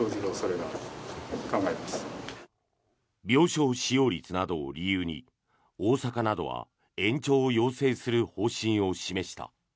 病床使用率などを理由に大阪などは延長を要請する方針を示した。